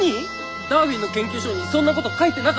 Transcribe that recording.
ダーウィンの研究書にそんなこと書いてなかったよ！